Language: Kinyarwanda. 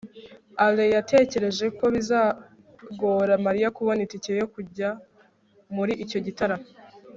alain yatekereje ko bizagora mariya kubona itike yo kujya muri icyo gitaramo